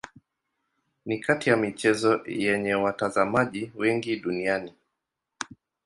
Ni kati ya michezo yenye watazamaji wengi duniani.